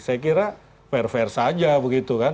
saya kira fair fair saja begitu kan